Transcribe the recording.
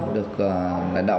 được lãnh đạo